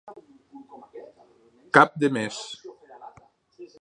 Cap de mes.